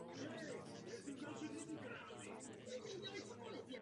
Co to všechno znamená?